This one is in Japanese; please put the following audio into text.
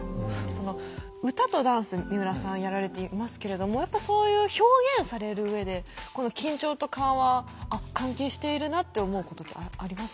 歌とダンス三浦さんやられていますけれどもやっぱそういう表現されるうえでこの緊張と緩和あっ関係しているなって思うことってありますか？